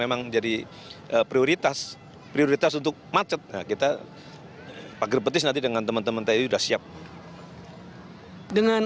bagaimana dengan kota bandung